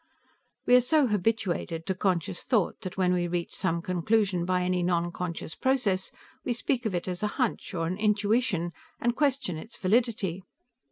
"We are so habituated to conscious thought that when we reach some conclusion by any nonconscious process, we speak of it as a 'hunch,' or an 'intuition,' and question its validity.